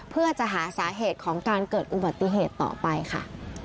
เพื่อจะหาสาเหตุของการเกิดอุบัติเหตุต่อไปค่ะ